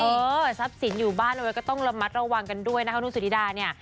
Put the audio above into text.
เออทรัพย์สินอยู่บ้านเอาไว้ก็ต้องระมัดระวังกันด้วยนะคะนุ่งสุธิดาเนี่ย